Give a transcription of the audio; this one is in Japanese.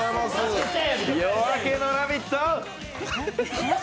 「夜明けのラヴィット！」